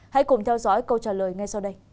hãy cùng theo dõi câu trả lời ngay sau đây